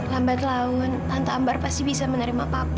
lambat laun tante amar pasti bisa menerima papa